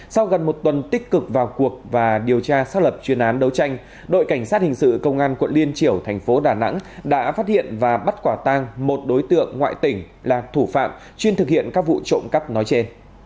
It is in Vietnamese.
sau gần một tuần tích cực vào cuộc và điều tra xác lập chuyên án đấu tranh đội cảnh sát hình sự công an quận liên triểu thành phố đà nẵng đã phát hiện và bắt quả tang một đối tượng ngoại tỉnh là thủ phạm chuyên thực hiện các vụ trộm cắp nói trên